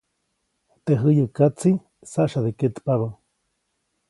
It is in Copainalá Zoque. Teʼ jäyäkatsiʼ saʼsyade ketpabä.